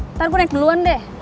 ntar pun naik duluan deh